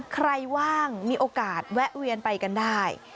ว่างมีโอกาสแวะเวียนไปกันได้